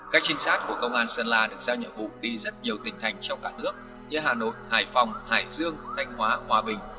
các trinh sát của công an sơn la được giao nhiệm vụ đi rất nhiều tỉnh thành trong cả nước như hà nội hải phòng hải dương thanh hóa hòa bình